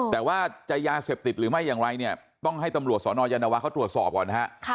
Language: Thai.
แต่ว่าจะยาเสพติดหรือไม่อย่างไรเนี่ยต้องให้ตำรวจสนยานวาเขาตรวจสอบก่อนนะฮะ